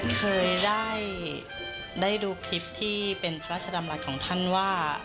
เคยได้ดูคลิปที่เป็นพระราชดำรัฐของท่านว่า